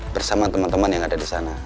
bersama teman teman yang ada di sana